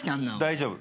大丈夫。